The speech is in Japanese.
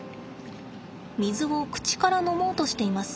水を口から飲もうとしています。